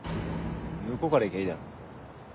向こうから行きゃいいだろ。